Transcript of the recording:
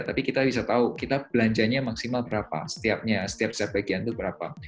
tapi kita bisa tahu kita belanjanya maksimal berapa setiap bagian itu berapa